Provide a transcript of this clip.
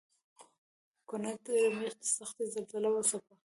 کونړ تېره مياشت سختې زلزلې وځپه